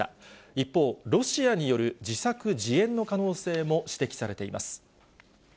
一方、ロシアによる自作自演の可能性も指摘されています。